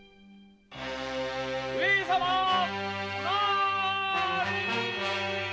・上様おなり！